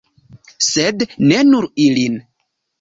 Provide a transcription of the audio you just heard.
Sed ne nur ilin.